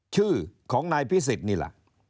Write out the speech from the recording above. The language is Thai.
ชื่อของนายพิสิทธิ์นี่แหละ